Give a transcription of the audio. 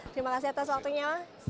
terima kasih atas waktunya